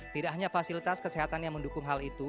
tidak hanya fasilitas kesehatan yang mendukung hal itu